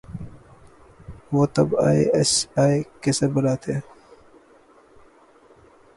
وہ تب I S I کے سربراہ تھے۔